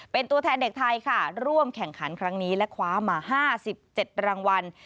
เป็นตัวแทนเด็กไทยค่ะร่วมแข่งขันครั้งนี้และคว้ามา๕๗รางวัล